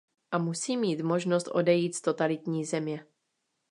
A musí mít možnost odejít z totalitní země.